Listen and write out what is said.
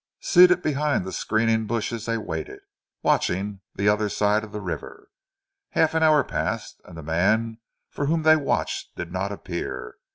Seated behind the screening bushes they waited, watching the other side of the river. Half an hour passed and the man for whom they watched did not appear.